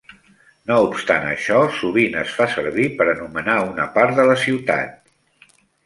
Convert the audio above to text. No obstant això, sovint es fa servir per anomenar una part de la ciutat.